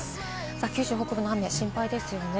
九州北部の雨、心配ですよね。